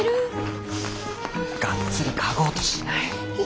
がっつり嗅ごうとしない。